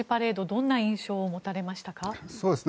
どんな印象を持たれましたか。